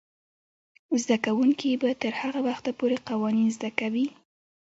زده کوونکې به تر هغه وخته پورې قوانین زده کوي.